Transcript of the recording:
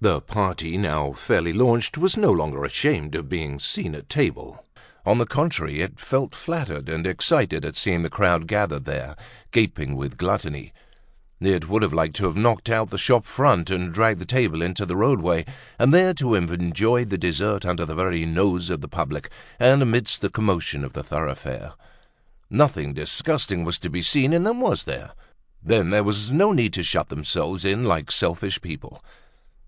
The party, now fairly launched, was no longer ashamed of being seen at table; on the contrary, it felt flattered and excited at seeing the crowd gathered there, gaping with gluttony; it would have liked to have knocked out the shop front and dragged the table into the road way, and there to have enjoyed the dessert under the very nose of the public, and amidst the commotion of the thoroughfare. Nothing disgusting was to be seen in them, was there? Then there was no need to shut themselves in like selfish people.